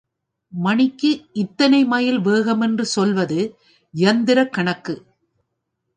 மணிக்கு இத்தனை மைல் வேகமென்று சொல்வது யந்திரக் கணக்கு.